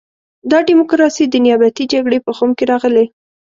دا ډیموکراسي د نیابتي جګړې په خُم کې راغلې.